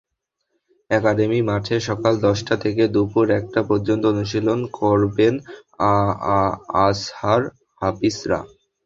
Academy মাঠে সকাল দশটা থেকে দুপুর একটা পর্যন্ত অনুশীলন করবেন আজহার-হাফিজরা।